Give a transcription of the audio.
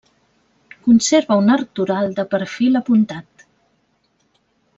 Conserva un arc toral de perfil apuntat.